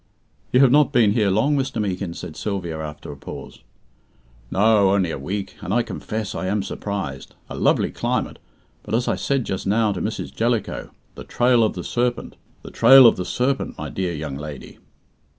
"You have not been here long, Mr. Meekin," said Sylvia, after a pause. "No, only a week; and I confess I am surprised. A lovely climate, but, as I said just now to Mrs. Jellicoe, the Trail of the Serpent the Trail of the Serpent my dear young lady."